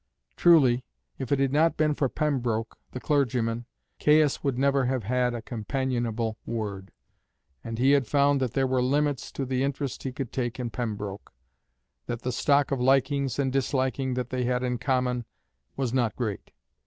Truly, if it had not been for Pembroke, the clergyman, Caius would never have had a companionable word; and he had found that there were limits to the interest he could take in Pembroke, that the stock of likings and disliking that they had in common was not great.